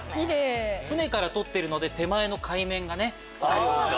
船から撮ってるので手前の海面がね。